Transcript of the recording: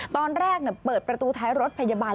ตอนแรกเปิดประตูท้ายรถพยาบาล